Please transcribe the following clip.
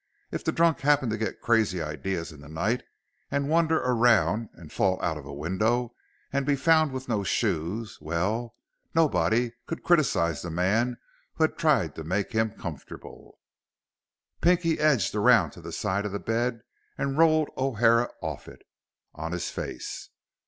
If the drunk happened to get crazy ideas in the night and wander around and fall out a window and be found with no shoes, well, nobody could criticize the man who had tried to make him comfortable. Pinky edged around to the side of the bed and rolled O'Hara off it on his face.